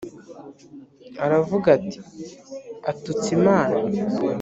aravuga ati atutse imana